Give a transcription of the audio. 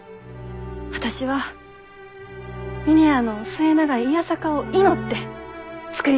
私は峰屋の末永い弥栄を祈って造りたいき。